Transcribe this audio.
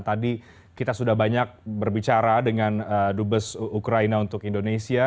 tadi kita sudah banyak berbicara dengan dubes ukraina untuk indonesia